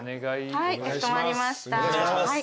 はいかしこまりました。